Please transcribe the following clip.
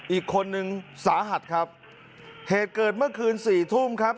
อีกคนนึงสาหัสครับเหตุเกิดเมื่อคืนสี่ทุ่มครับ